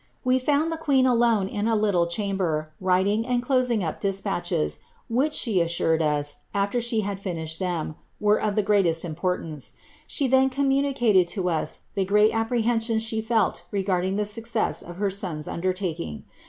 Wc found the queen alone in a little chain* bcr, writing and closing up despatciies, which, she assured us, aflcr she had finished thrm, were of tiic greatest importance. She then commn nicQted to us the great apprehensions she felt regarding (he success of her son's undertaking.